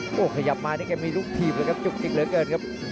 โอ้โหขยับมานี่แกมีลูกถีบเลยครับจุกจิกเหลือเกินครับ